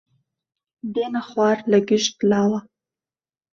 دێنە خوار لە گشت لاوە